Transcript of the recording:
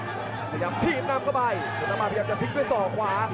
พยายามถีบนำเข้าไปชนะมาพยายามจะทิ้งด้วยศอกขวา